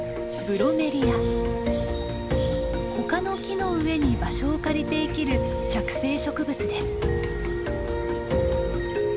ほかの木の上に場所を借りて生きる着生植物です。